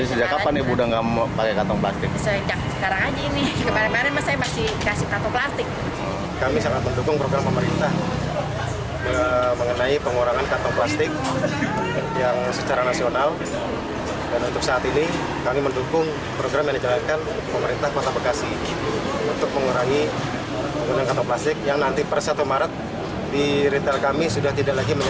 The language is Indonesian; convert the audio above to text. untuk mengurangi penggunaan kantong plastik yang nanti per satu maret di ritel kami sudah tidak lagi menyediakan kantong plastik diganti dengan tas go green